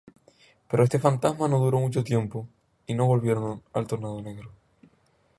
Pero este Fantasma no duró mucho tiempo, y volvieron al Tornado negro.